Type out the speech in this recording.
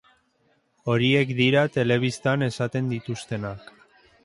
Horiek dira telebistan esaten dituztenak.